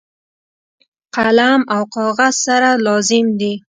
قلم او کاغذ سره لازم دي.